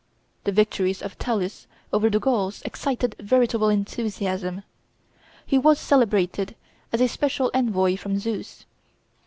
The victories of Attalus over the Gauls excited veritable enthusiasm. He was celebrated as a special envoy from Zeus.